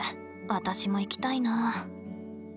私も行きたいな。